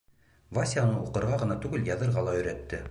Вася уны уҡырға ғына түгел, яҙырға ла өйрәтте.